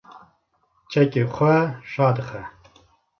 çekê xwe radixe